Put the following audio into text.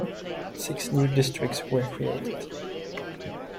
Six new districts were created.